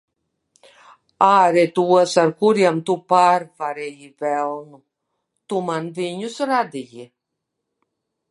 Āre tos, ar kuriem tu pārvarēji velnu. Tu man viņus rādīji.